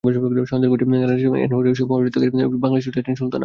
স্বজনদের খোঁজে নেদারল্যান্ডসের এইনট হেভেন শহর থেকে বাংলাদেশে ছুটে আসেন সুলতানা।